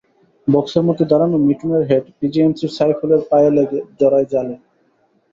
বক্সের মধ্যে দাঁড়ানো মিঠুনের হেড বিজেএমসির সাইফুলের পায়ে লেগে জড়ায় জালে।